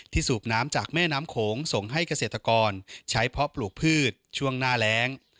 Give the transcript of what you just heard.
สูบน้ำจากแม่น้ำโขงส่งให้เกษตรกรใช้เพาะปลูกพืชช่วงหน้าแรง